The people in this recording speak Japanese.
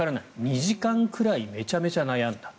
２時間くらいめちゃめちゃ悩んだ。